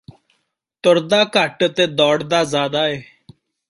ਤੁਰਦਾ ਘੱਟ ਤੇ ਦੌੜਦਾ ਜ਼ਿਆਦਾ ਏ